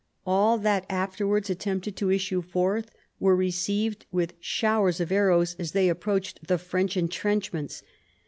All that afterwards attempted to issue forth were received with showers of arrows as they approached the French en trenchments.